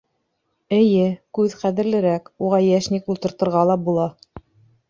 — Эйе, күҙ ҡәҙерлерәк, уға йәшник ултыртырға ла була.